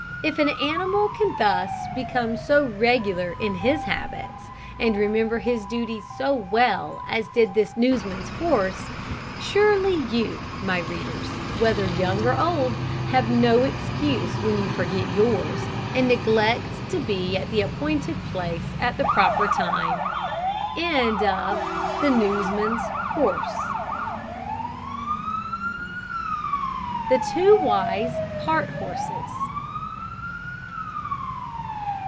If an animal can thus become so regular in his habits, and remember his duty so well as did this newsman's horse, surely you, my readers, whether young or old, have no excuse when you forget yours, and neglect to be at the appointed place at the proper time. THE TWO WISE CART HORSES.